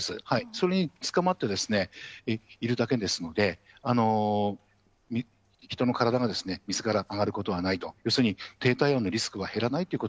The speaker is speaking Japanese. それにつかまっているだけですので、人の体がみずから上がることはないと、要するに、低体温のリスクなるほど。